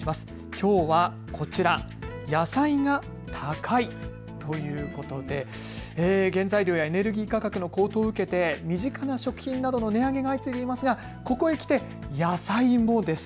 きょうはこちら、野菜が高いということで原材料やエネルギー価格の高騰を受けて身近な食品などの値上げが相次いでますがここへきて野菜もです。